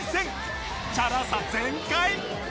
チャラさ全開！